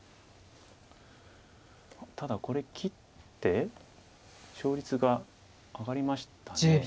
ただこれ切って勝率が上がりました。